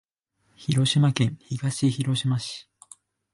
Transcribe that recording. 広島県東広島市